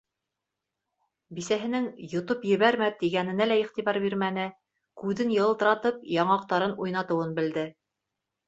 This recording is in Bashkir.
Бисәһенең, йотоп ебәрмә, тигәненә лә иғтибар бирмәне, күҙен йылтыратып яңаҡтарын уйнатыуын белде.